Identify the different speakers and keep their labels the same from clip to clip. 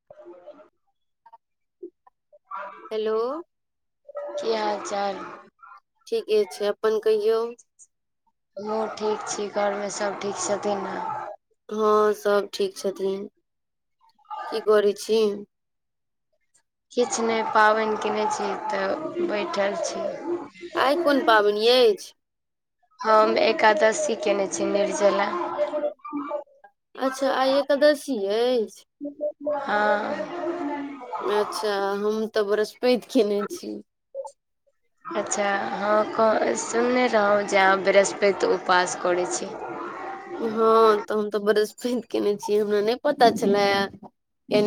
Speaker 1: [unintelligible] [unintelligible]
Speaker 2: hello
Speaker 1: की हाल चाल
Speaker 2: ठीके छै अपन कहियौ
Speaker 1: हमहँ ठीक छी घरमे सभ ठीक छथिन ने
Speaker 2: हँ सब ठीक छथिन की करै छी
Speaker 1: किछु नहि पाबनि केने छी तऽ बैठल
Speaker 2: आइ कोन
Speaker 1: छी [inaudible]
Speaker 2: पाबनि अछि
Speaker 1: हम एकादशी कयने छी निर्जला
Speaker 2: अच्छा आय एकादशी अछि
Speaker 1: हँ
Speaker 2: अच्छा हम तऽ बृहस्पति केने छी
Speaker 1: अच्छा हँ सुनने रहौ जे अहाँ बृहस्पति उपवास करैत छी
Speaker 2: हँ तऽ हम तऽ बृहस्पति केने छियै हमरा नहि पता छलै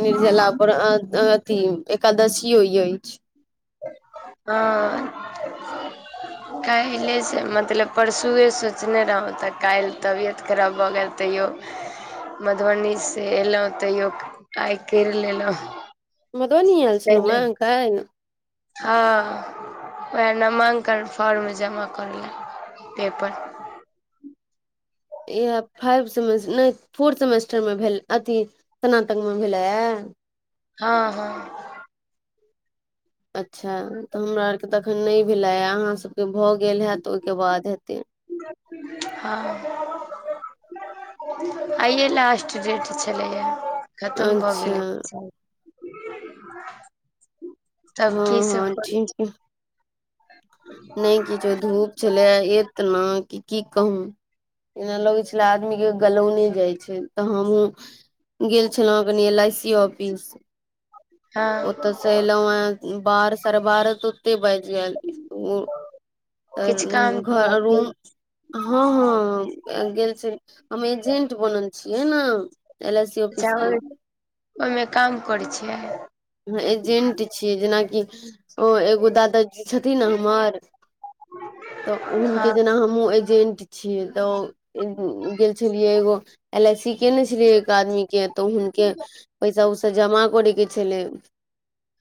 Speaker 2: निर्जला अथी एकादशीयो अछि
Speaker 1: हँ काल्हिसँ मतलब परसुए सोचने रहौ तऽ काल्हि तबियत खराब भऽ गेल तैओ
Speaker 2: [inaudible]
Speaker 1: मधुबनीसँ अयलहुँ तैयो आइ करि लेलहुँ
Speaker 2: मधबनी ऐल छलहु काल्हि
Speaker 1: हँ उएह नामांकन फॉर्म जमा करै ले पेपर
Speaker 2: इएह फाइव सेमेस्टर नहि फोर्थ सेमेस्टर मे भेल अथी स्नातक मे भेलयै
Speaker 1: हँ हँ
Speaker 2: अच्छा तऽ हमरा आरके तऽ अखन नहि भेलै अहाँसभके भऽ गेल हैत तऽ ओहिके बाद हेतै
Speaker 1: हँ [inaudible] आइए लास्ट डेट छलैये
Speaker 2: अच्छा
Speaker 1: तब की
Speaker 2: हँ
Speaker 1: सब
Speaker 2: हँ
Speaker 1: करै छी
Speaker 2: [inaudible] नहि किछो धूप छलय एतना कि की कहू एना लगै छलै आदमी के गलौने जाइ छै तऽ हमू गेल छलौँ कनी एल आई सी ऑफिस
Speaker 1: हँ
Speaker 2: ओतऽ से ऐलौ है अ बार सारे बार [unintelligible] बाजि गेल
Speaker 1: किछु काम छलै
Speaker 2: घर
Speaker 1: की
Speaker 2: रूम हँ हँ गेल छी हम एजेंट बनल छियै ने एल आई सी ऑफिस
Speaker 1: अच्छा
Speaker 2: के
Speaker 1: ओहि ओहिमे काम करै छियै
Speaker 2: एजेंट छियै जेनाकि ओ एगो दादा छथिन हमर तऽ उ हुनके
Speaker 1: हँ
Speaker 2: जेना हम हमहु एजेंट छियै तऽ गेल छलियै एगो एल आइ सी केे ने छै एक आदमी के तऽ हुनके पैसा उसा जमा करेके छलै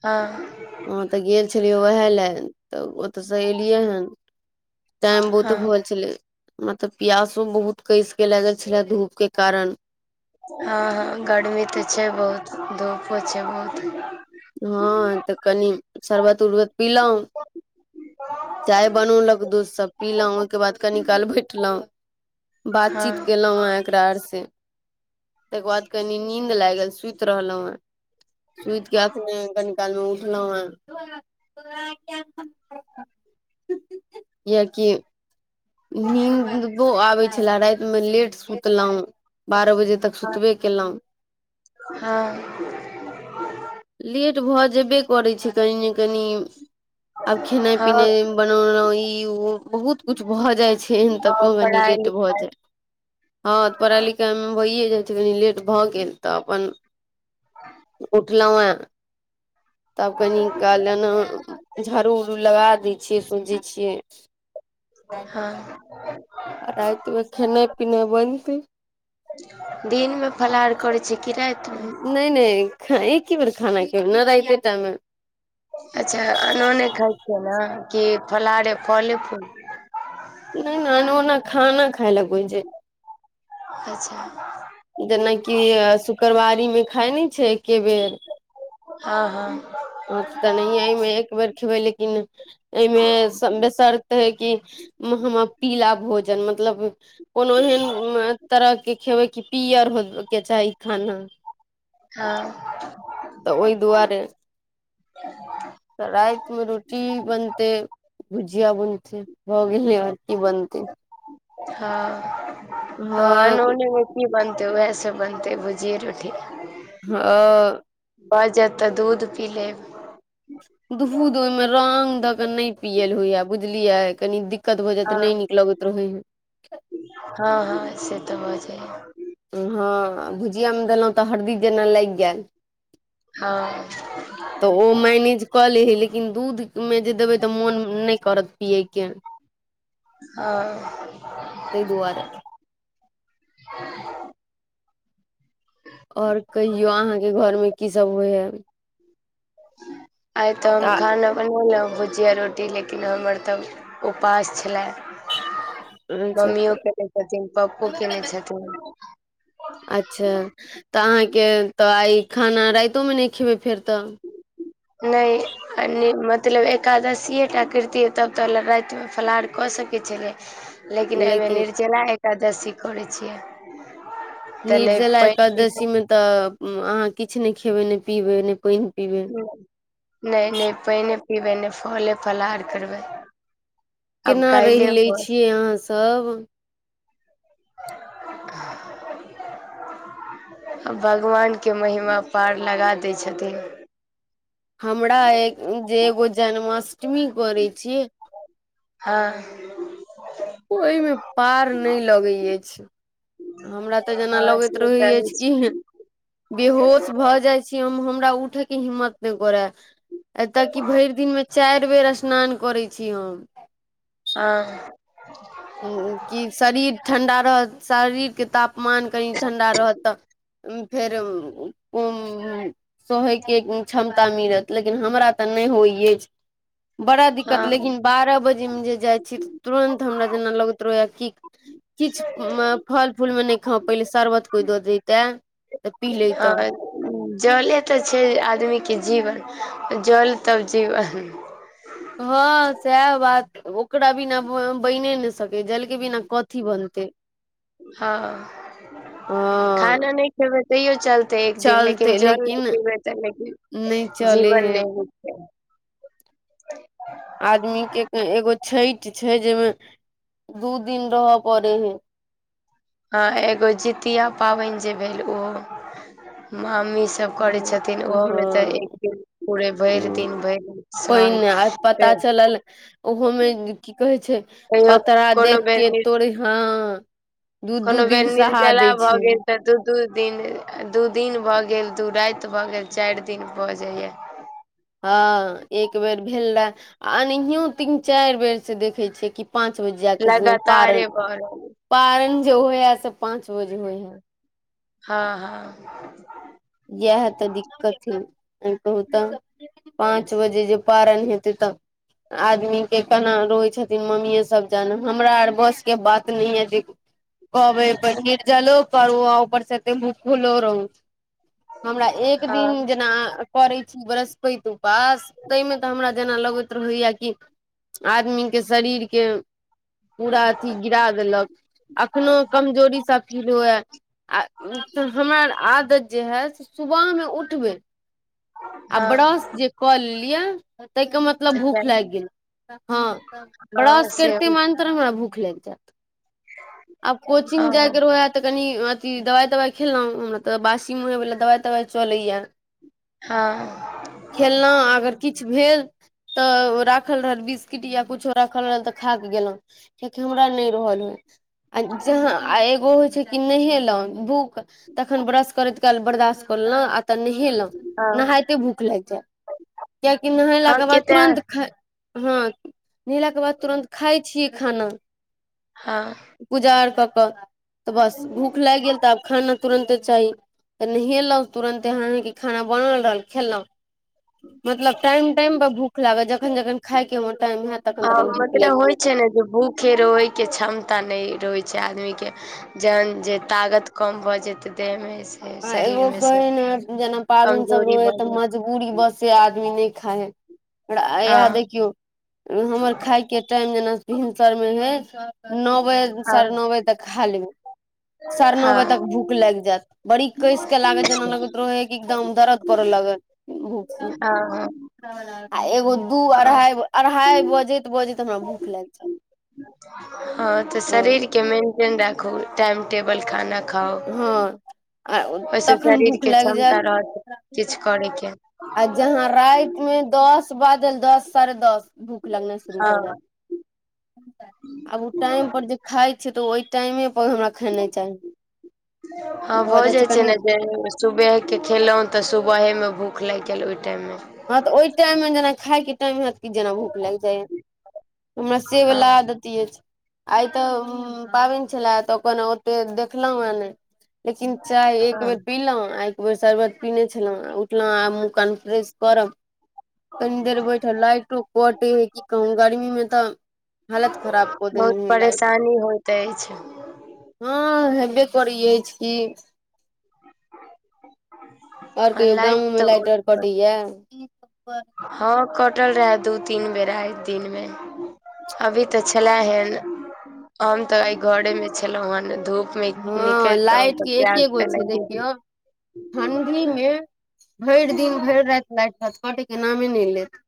Speaker 1: हँ
Speaker 2: हँ तऽ गेल छलियै उएह लए तऽ ओतऽसँ एलियै हन टाइम बहुत
Speaker 1: हँ
Speaker 2: भ गेल छलै मतलब पियासो बहुत कस के लागल छलै धूप के कारण
Speaker 1: हँ हँ गर्मी तऽ छै बहुत धूपो छै बहुत
Speaker 2: हँ तऽ कनि शरबत उरबत पीलहुँं
Speaker 1: ह [inaudible]
Speaker 2: चाय बनौलक दूधसभ पीलहुँ ओहिके बाद कनी काल बैठलहुँ बातचीत
Speaker 1: हँ
Speaker 2: केलहुॅं हें एकरा आर से तेकर बाद कनी नींद लागल सुति रहलहुँ हें सुति के अखने कनी काल मे उठलौं हें कियेकी इवनिंगबो आबै छले राति मे लेट सुतलहुं बारह बजे तक सुतबे केलहुँ
Speaker 1: हँ
Speaker 2: लेट भऽ जेयबे करै छै कनि ने कनि आब खेनाइ
Speaker 1: हँ
Speaker 2: पिनाइ बनौल ई ओ बहुत कुछ भऽ जाइ छै तहन त
Speaker 1: हँ
Speaker 2: कहबेन कनी
Speaker 1: पढ़ाइ
Speaker 2: लेट भऽ
Speaker 1: लिखाइ
Speaker 2: जाय [unintelligible] हँ तऽ पढ़ाइ लिखाइमे होइए जाइ छै कनि लेट भऽ गेल तऽ अपन उठलहुँ हें तब कनिना झाड़ू उड़ू लगा दै छियै सोचे छियै
Speaker 1: हँ
Speaker 2: आ रातिमे खेनाइ पिनाइ बनतै
Speaker 1: दिन मे फलहार करै छै कि रात मे
Speaker 2: नहि नहि एके बेर खाना खेबय ने राइते टामे
Speaker 1: अच्छा अनूने खाइ छियै ने कि फलहारे फले फूल
Speaker 2: नहि ने ओना खाना खाय ले कोइ छै
Speaker 1: अच्छा
Speaker 2: जेनाकि शुक्रवारी मे खाय नै छै एके बेर
Speaker 1: हँ हँ
Speaker 2: हँ तऽ नहि एहिमे एक बेर खेबै लेकिन एहिमे बेसर त है कि हम पीला भोजन मतलब कोनो एहन तरह के खेबै की पियर होइ के चाही खाना
Speaker 1: हँ
Speaker 2: तऽ ओहि दुआरे
Speaker 1: [inaudible]
Speaker 2: तऽ राति मे रोटी बनते भुजिया बुनतै भऽ गेलै आओर की बनतेै
Speaker 1: हँ हँ अनोने मे की बनतै वएहस बनतै भुजिये रोटी
Speaker 2: हँ
Speaker 1: भऽ जायत तऽ दूध पी लेब
Speaker 2: दूध ओहिमे रंग दऽ के नहि पियल होइया बुझलियै कनी दिक दिक्कत भऽ
Speaker 1: हँ
Speaker 2: जातै नहि नीक लगैत रहै है
Speaker 1: हँ हँ से तऽ भ जाइहै
Speaker 2: हँ भुजिया मे देलहुँ तऽ हरदी जेना लागि गेल तऽ
Speaker 1: हँ
Speaker 2: ओ मैनेज कऽ ले हइ लेकिन दूध मे जे देबै तऽ मोन नहि करत पियैके
Speaker 1: हँ
Speaker 2: तहि दुआरे आओर कहियौ अहाँके घरमे की सब होइ है
Speaker 1: आइ तऽ हम खाना बनेलौं जिया रोटी लेकिन हमर तऽ उपास छलै मम्मिओ केने छथिन पप्पो केने छथिन
Speaker 2: अच्छा तऽ अहाँके तऽ आइ खाना राइतो मे नहि खेबै फेर तऽ [inaudible]
Speaker 1: नहि आइ नै मतलब एकादशीए टा करतियै तब तऽ राति मे फलहार कऽ सकैत छलियै
Speaker 2: [inaudible]
Speaker 1: लेकिन एहिमे निर्जला एकादशी करै छियै तऽ नहि
Speaker 2: निर्जला
Speaker 1: पानि पी
Speaker 2: एकदशी मे तऽ अहाँ किछु ने खेबै ने पीबे ने पानि पीबे
Speaker 1: नहि नहि पानिए पीबै नहि फले फलहार करबै आब
Speaker 2: केना रहि
Speaker 1: काल्हिए
Speaker 2: लैत
Speaker 1: भोर
Speaker 2: छियै अहाँसभ
Speaker 1: कहि भगवानकेँ महिमा पार लगा दै छथिन
Speaker 2: हमरा ए जे एगो जन्माष्टमी करै छी
Speaker 1: हँ
Speaker 2: ओहिमे पार नहि लगैत अछि हमरा तऽ जेना
Speaker 1: हँ
Speaker 2: लगैत
Speaker 1: से
Speaker 2: रहैत
Speaker 1: तऽ
Speaker 2: अछि की बेहोश भऽ जाइ छी हम हमरा उठैक हिम्मत नहि करै एतय कि भरि दिनमे चारि बेर स्नान करैत छी हम
Speaker 1: आ
Speaker 2: कि शरीर ठण्ढा रहत शरीरकेँ तापमान कनि ठण्ढा रहत तऽ फेर ऊ सैहय के क्षमता मिलत लेकिन हमरा तऽ नहि होइत अछि बड़ा दिक्कत
Speaker 1: हँ
Speaker 2: लेकिन बारह बजेमे जे जाइ छी तऽ तुरन्त हमरा जेना लगैत रहैए की किछु फल फूल मे नहि खा पाइलि शरबत कोइ दऽ देते तऽ पी लेतहु
Speaker 1: हँ जले तऽ छै आदमीके जीवन जल तब जीवन
Speaker 2: हँ सएह बात ओकरा बिना बैने नहि सकै जल के बिना कथी बनतै
Speaker 1: हँ
Speaker 2: हँ
Speaker 1: खाना नहि खेबै तैयो चलते एक दिन लेकिन जल ने पिबैय तऽ
Speaker 2: नहि
Speaker 1: लेकिन
Speaker 2: चले
Speaker 1: जीवन
Speaker 2: है
Speaker 1: नहि त
Speaker 2: आदमी के एगो छठि छै जेहिमे दू दिन रहय पड़े हय
Speaker 1: ह एगो जितिया पाबनि जे भेल ओ मामी सभ करै छथिन ओहोमे तऽ
Speaker 2: हँ
Speaker 1: एक दिन पूरे भरि दिन भरि
Speaker 2: पहिने आ पता
Speaker 1: सहले
Speaker 2: चलल ओहोमे की कहै छै
Speaker 1: कहियो
Speaker 2: पतरा
Speaker 1: कोनो
Speaker 2: देख
Speaker 1: बेर
Speaker 2: के
Speaker 1: नि
Speaker 2: तोरे हँ दू दू
Speaker 1: कोनो बेर
Speaker 2: दिन सहा
Speaker 1: निर्जला
Speaker 2: दै
Speaker 1: भऽ
Speaker 2: छै
Speaker 1: गेल तऽ दूध दू दिन दू दिन भऽ गेल दू राति भऽ गेल चारि दिन भऽ जाइया
Speaker 2: हँ एक बेर भेल रहए आ एनाहियो तीन चारि बेरसँ देखैत छियै कि पांच बजे जाके पारण
Speaker 1: लगातारे भऽ रहल
Speaker 2: पारण जे होइ है से पांच बजे होइ यै
Speaker 1: हँ हँ
Speaker 2: एहि तऽ दिक्कत हइ कहू तऽ पाँच बजे जे पारण हेतै तऽ आदमी के केना रहोै छथिन मम्मीे सब जानै हमरा आर बस के बात नहि य जे कहबै पर नीरजालो करू ऊपर सँ छै त भूखलो रहू हमरा एक दिन
Speaker 1: हँ
Speaker 2: जेना करै छी बृहस्पति उपास ताहिमे तऽ हमरा जेना लगैत रहैय कि आदमीके शरीरके पूरा अथि गिरा देलक अखनो कमजोरी सन फील होइय आ हमरा आदत जे है त सुबह मे उठबे आ
Speaker 1: हँ
Speaker 2: ब्रश जे क लिइय ताहि क मतलब मतलब भूख लागि गेल हँ
Speaker 1: हँ
Speaker 2: ब्रश
Speaker 1: से
Speaker 2: करिथे तुरंत भुख लागि जैत आब कोचिंग जाय
Speaker 1: हँ
Speaker 2: के रोहय ते कनि कि दबाइ तबाइ खेलहुँ हमरा तऽ बासी मुँहे वला दबाइ तबाइ चलैए
Speaker 1: हँ
Speaker 2: खेलहुँ अगर किछु भेल तऽ राखल रहल बिस्किट या किछु राखल रहल तऽ खा क गेलहु कियाक हमरा नहि रहल हो आ जहाँ आ एगो होय छै कि नहिये लाउन तखन ब्रश करैत काल बर्दाश्त कर लेलहुँं आ तऽ नहेलहुँ
Speaker 1: हँ
Speaker 2: नहाइते भूख लागि जाय कियकि
Speaker 1: हँ
Speaker 2: नहेलाके
Speaker 1: के
Speaker 2: बाद
Speaker 1: तऽ
Speaker 2: तुरन्त हँ नहेलाक के बाद तुरन्त खाय छी खाना
Speaker 1: हँ
Speaker 2: पूजा आर कऽ कऽ तऽ बस भूख लागि गेल तऽ आब खाना तुरन्ते चाही तऽ नहेलहुँ तुरन्त एहन एह कि खाना बनल रहल खेलहुँ मतलब टाइम टाइम पर भूख लागत जखन जखन खाय के हमर टाइम हेत
Speaker 1: आ मतलब होइ छै ने जे भूखे रहय के क्षमता नहि रहै छै आदमी के जहन जे तागत कम भऽ जेतै देह मे
Speaker 2: आ एगो कहै ने जेना पाबनि सब
Speaker 1: कमजोरी
Speaker 2: रहो ह
Speaker 1: भऽ
Speaker 2: तऽ
Speaker 1: जेत
Speaker 2: म [unintelligible] बूरी बसे आदमी नहि खाइ है इहा
Speaker 1: हँ
Speaker 2: देखियौ हमर खायके टाइम जेना भिनसर मे हय नओ बजे साढ़े
Speaker 1: हँ
Speaker 2: नओ बजे तक हाल साढ़े नओ बजे तक
Speaker 1: हँ
Speaker 2: भूख लागि जायत बड़ी कस के लागत जेना लगैत रहै एकदम दर्द करय लगे भूख से
Speaker 1: हँ
Speaker 2: आ एगो दू अढ़ाइ अढ़ाइ बजैत बजैत हमरा भूख लाग जात
Speaker 1: ह तऽ शरीर के मेन्टेन राखू टाइम टेबल खाना खाउ
Speaker 2: हँ आ
Speaker 1: ओहिसँ
Speaker 2: तखन भूख
Speaker 1: शरीरके
Speaker 2: लागि
Speaker 1: क्षमता
Speaker 2: जायत
Speaker 1: रहत किछु करयके
Speaker 2: आ जहाँ राति मे दस बाजल दस साढ़े दस भूख लगना शुरू
Speaker 1: हँ
Speaker 2: भऽ जायत आब ओ टाइम पर खाय छै तऽ ओहि टाइमे पर हमरा खेनाई चाही
Speaker 1: हँ भऽ जाइ छै ने सुबहके खेलहुॅ तऽ सुबहेमे भूख लागि गेल ओहि टाइममे
Speaker 2: हँ तऽ ओहि टाइममे जेना खायके टाइम हैत जेना भूख लागि जाय हमरा
Speaker 1: हँ
Speaker 2: सेवला आइ तऽ पाबनि छलए तऽ ओतेक देखलहुँ हेँ नहि लेकिन चाय एक
Speaker 1: हँ
Speaker 2: बेर पीलौ आ एक बेेर शर्बत पीने छलौ उठल आ मुह कनफ्रेश करब कनि देर बैठब लाइटो कटे हइ की कहू गर्मी मे तऽ हालत खराब क
Speaker 1: बहुत
Speaker 2: देने है लाइट
Speaker 1: परेशानी होइत अछि
Speaker 2: हँ हेबे कर अछि की आओर
Speaker 1: हँ
Speaker 2: कहियो
Speaker 1: लाइट
Speaker 2: गामो में
Speaker 1: तऽ
Speaker 2: लाइट ओर
Speaker 1: बहुत
Speaker 2: कटैया
Speaker 1: हँ कटल रहै दू तीन बेर आय दिन मे अभी तऽ छले हेन हम तऽ एहि घरे मे छलहुँं हेन धूप मे
Speaker 2: हँ
Speaker 1: निकलितहुँ तऽ
Speaker 2: लाइटके
Speaker 1: प्यास
Speaker 2: एके गो
Speaker 1: तऽ
Speaker 2: छै
Speaker 1: लागि
Speaker 2: देखियौ ठण्ढीमे भरि दिन भरि राति लागि रहत कटयके नामे नहि लेत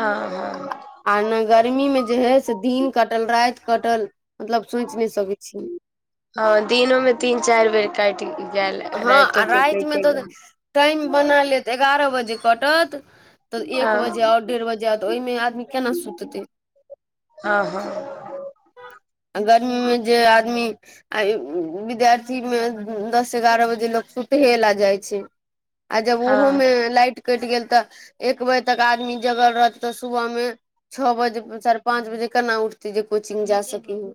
Speaker 1: आ हँ
Speaker 2: आ ने गर्मीमे जे हइ से दिन कटल राति कटल मतलब सोचि नहि सकैत छीय
Speaker 1: हँ दिनोमें तीन चारि बेर कटि गेल
Speaker 2: हँ आ
Speaker 1: राइतो के
Speaker 2: रातिमे
Speaker 1: कटे
Speaker 2: तऽ
Speaker 1: गेल
Speaker 2: टाइम बना ले त एगारह बजे कटत तऽ एक
Speaker 1: हँ
Speaker 2: बजे आओर डेढ़ बजे आ तऽ ओहिमे आदमी केना सुततै
Speaker 1: हँ हँ
Speaker 2: गर्मी मे जे आदमी आ विद्यार्थी मे दस एग्यारा बजे लोक सुतहेला जाईछै
Speaker 1: हँ
Speaker 2: कटि गेल तऽ एक बजे तक आदमी जगल रहत तऽ सुबह मे छो बजे चारि पाँच बजे केना उठतै जे कोचिंग जा सकी ह